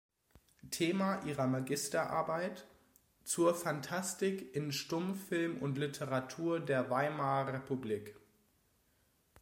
Thema ihrer Magisterarbeit: "Zur Phantastik in Stummfilm und Literatur der Weimarer Republik.